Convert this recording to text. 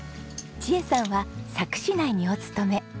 千絵さんは佐久市内にお勤め。